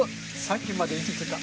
さっきまで生きてた。